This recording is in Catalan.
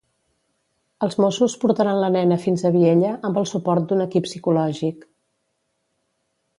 Els Mossos portaran la nena fins a Vielha, amb el suport d'un equip psicològic.